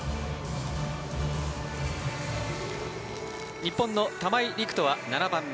日本の玉井陸斗は７番目。